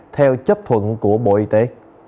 theo chấp thuận của bộ y tế